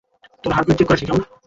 তোর heartbeat check করে আসি, কেমন?